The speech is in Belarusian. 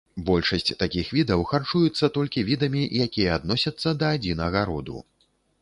Большасць такіх відаў харчуюцца толькі відамі, якія адносяцца да адзінага роду.